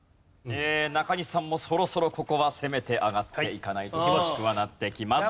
中西さんもそろそろここは攻めて上がっていかないと厳しくはなってきます。